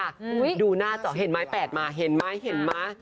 อุ้ยดูหน้าเจ้าเห็นไม้แปดมาเห็นไหมเห็นมะ